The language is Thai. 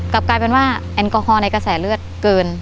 กลับกลายเป็นว่าแอลกอฮอลในกระแสเลือดเกิน